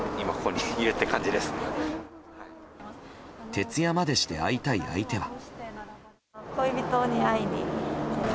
徹夜までして会いたい相手は。